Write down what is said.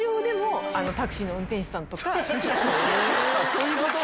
そういうこと？